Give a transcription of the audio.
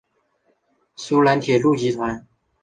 芬兰铁路集团。